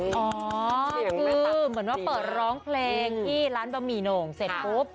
คือเหมือนว่าเปิดร้องเพลงที่ร้านบะหมี่โหน่งเสร็จปุ๊บ